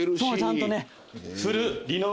ちゃんとね。